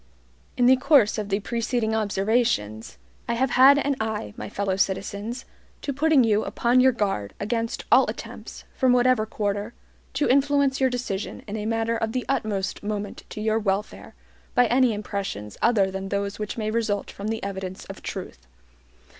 In the course of the preceding observations, I have had an eye, my fellow citizens, to putting you upon your guard against all attempts, from whatever quarter, to influence your decision in a matter of the utmost moment to your welfare, by any impressions other than those which may result from the evidence of truth.